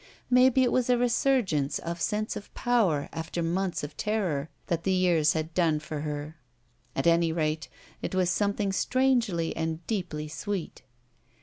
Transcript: Maybe it was a resurgence of sense of pow^ after months of terror that the years had done for her. At any rate, it was something strangely and deeply sweet.